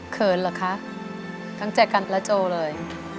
เขินหรอคะตั้งแต่กันแล้วโจเลย